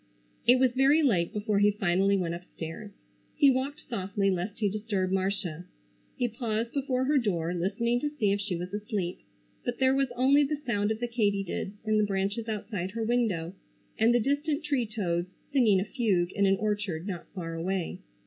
It was very late before he finally went upstairs. He walked softly lest he disturb Marcia. He paused before her door listening to see if she was asleep, but there was only the sound of the katydids in the branches outside her window, and the distant tree toads singing a fugue in an orchard not far away.